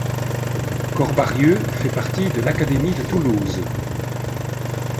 Corbarieu fait partie de l'académie de Toulouse.